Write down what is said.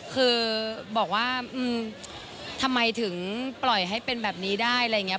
คือบอกว่าทำไมถึงปล่อยให้เป็นแบบนี้ได้อะไรอย่างนี้